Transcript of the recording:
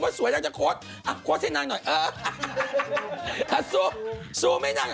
ดูสวยค่ะดูน้ำนิดหนึ่ง